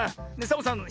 サボさん